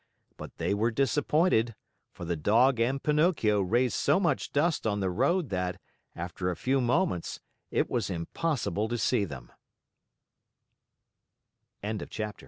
But they were disappointed, for the Dog and Pinocchio raised so much dust on the road that, after a few moments, it was impossib